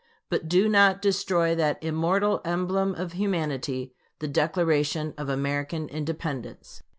But do not destroy that immortal emblem of Humanity the Declaration of American Independence.